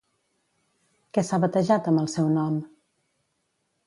Què s'ha batejat amb el seu nom?